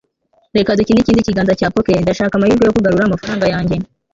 reka dukine ikindi kiganza cya poker. ndashaka amahirwe yo kugarura amafaranga yanjye